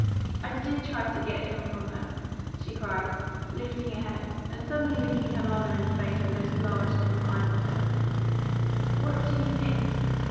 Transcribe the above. I did try to get him from her!" she cried, lifting her head, and suddenly looking her mother in the face with those large dim eyes of hers. "What do you think?